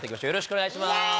よろしくお願いします